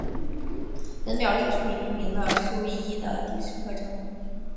本表列出已命名的土卫一的地质特征。